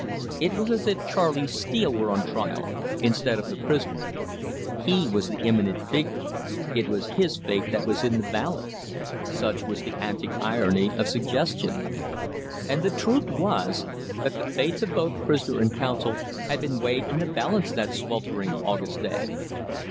It was as if Charley Steele were on trial instead of the prisoner. He was the imminent figure; it was his fate that was in the balance such was the antic irony of suggestion. And the truth was, that the fates of both prisoner and counsel had been weighed in the balance that sweltering August day.